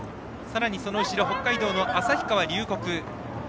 その後ろ、北海道の旭川龍谷